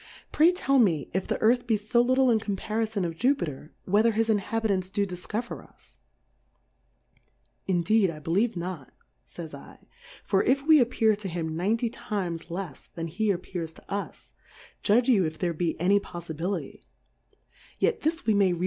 Pray tell me, if the Earth be fo little in comparifon of Jupiter, whether his Inhabitants do difcover us ? Indeed, I believe not, fays I , for if we appear to him ninety times lefs than he appears to us, judge you if there be a ny poffibility : Yet this we may reafo nably Plurality ^WOKLDS.